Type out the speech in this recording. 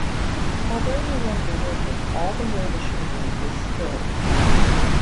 Although no longer working, all the mill machinery is still intact.